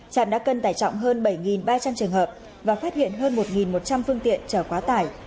trạm đã cân tải trọng hơn bảy ba trăm linh trường hợp và phát hiện hơn một một trăm linh phương tiện trở quá tải